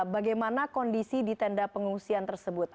bagaimana kondisi di tenda pengungsian tersebut